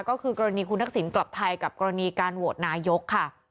ก็คือกรณีคุณทักษิณกลับไทยกับกรณีการโหวตนายกค่ะ